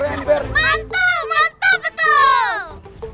mantap mantap betul